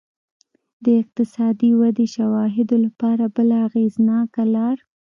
د اقتصادي ودې شواهدو لپاره بله اغېزناکه لار